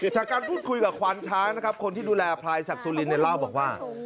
จากการพูดคุยกับควานช้างนะครับคนที่ดูแลพลายศักดิ์สุรินเนี่ยเล่าบอกว่า